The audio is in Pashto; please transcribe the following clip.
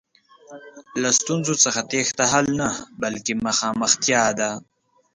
له ستونزو څخه تېښته حل نه، بلکې مخامختیا ده.